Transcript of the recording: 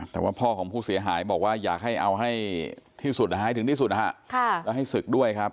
แต่ว่าพ่อของผู้เสียหายบอกว่าอยากให้เอาให้ที่สุดให้ถึงที่สุดนะฮะแล้วให้ศึกด้วยครับ